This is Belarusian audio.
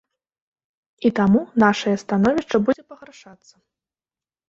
І таму нашае становішча будзе пагаршацца.